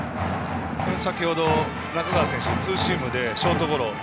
先程、中川選手ツーシームでショートゴロ。